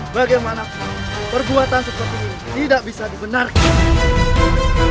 bagaimanapun perbuatan seperti ini tidak bisa dibenarkan